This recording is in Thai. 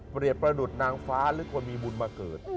ประดุษนางฟ้าหรือคนมีบุญมาเกิด